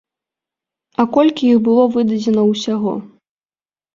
А колькі іх было выдадзена ўсяго?